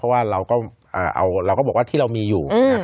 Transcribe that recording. เพราะว่าเราก็บอกว่าที่เรามีอยู่